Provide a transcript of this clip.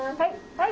はい！